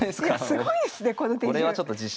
すごいですねこの手順！